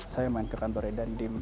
saya main ke kantornya dandim